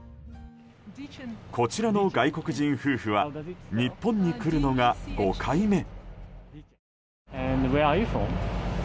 こちらの外国人夫婦は日本に来るのが５回目。